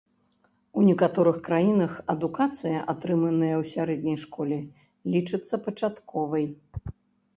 У некаторых краінах адукацыя, атрыманая ў сярэдняй школе, лічыцца пачатковай.